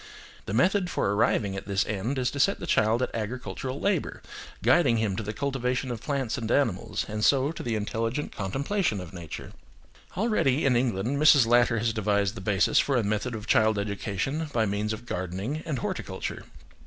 The method for arriving at this end is to set the child at agricultural labour, guiding him to the cultivation of plants and animals, and so to the intelligent contemplation of nature. Already, in England Mrs. Latter has devised the basis for a method of child education by means of gardening and horticulture.